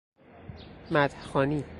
مدح خوانی